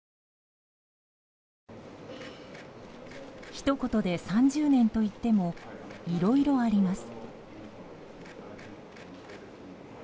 ひと言で３０年といってもいろいろあります。